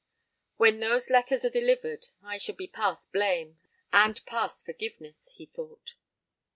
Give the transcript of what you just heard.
"When those letters are delivered I shall be past blame, and past forgiveness," he thought.